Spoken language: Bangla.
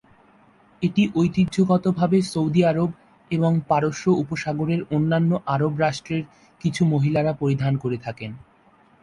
এটি ঐতিহ্যগতভাবে সৌদি আরব এবং পারস্য উপসাগরের অন্যান্য আরব রাষ্ট্রের কিছু মহিলারা পরিধান করে থাকেন।